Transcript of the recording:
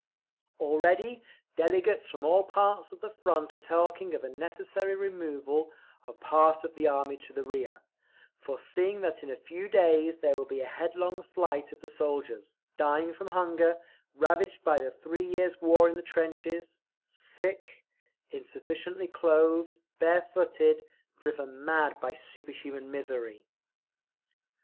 Already delegates from all parts of the Front are talking of a necessary removal of part of the Army to the rear, foreseeing that in a few days there will be headlong flight of the soldiers, dying from hunger, ravaged by the three years' war in the trenches, sick, insufficiently clothed, bare footed, driven mad by superhuman misery."